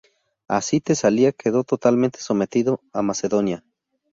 Así Tesalia quedó totalmente sometida a Macedonia.